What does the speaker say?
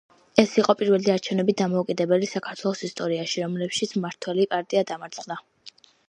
ეს იყო პირველი არჩევნები დამოუკიდებელი საქართველოს ისტორიაში, რომელშიც მმართველი პარტია დამარცხდა.